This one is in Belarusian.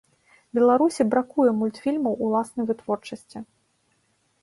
Беларусі бракуе мультфільмаў уласнай вытворчасці.